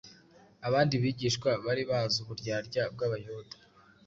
abandi bigishwa bari bazi uburyarya bw’Abayuda,